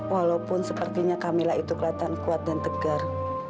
walaupun sepertinya camilla itu kelihatan kuat dan tegar